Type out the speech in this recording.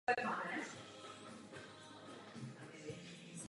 A podobně by tomu mělo být i u jejich ostatních druhů a mutací.